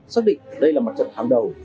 xác định đây là mặt trận hàng đầu